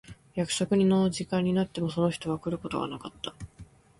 約束の時間になってもその人は来ることがなかった。